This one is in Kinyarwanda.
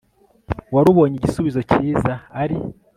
warubonye igisubizo cyiza ari